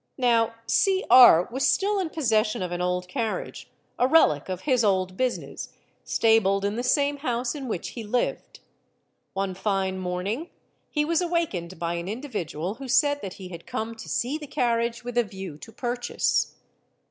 Now Cr... was still in possession of an old carriage, a relic of his old business, stabled in the same house in which he lived. One fine morning, he was 'awakened by an individual who said that he had come to see the carriage ' with a view to purchase.